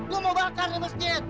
gua mau bakar nih masjid